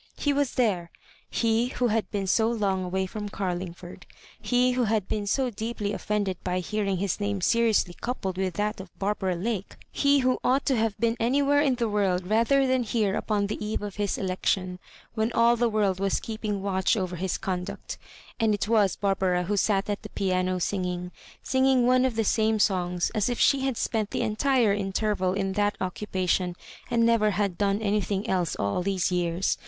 He was there — he who had been so long away from Carlingford — he who had been so deeply offended by hearing his name seriously coupl^ with that of Barbara Lake — he who ought to have been anywhere in the world rather than here upon the eve of his election, when all the world was keeping watdi over his conduct And it was Barbara who sat at the piano singing — singing one of the same songs, as if she had spent the entire interval in that occupation, and never had done anything else all these years.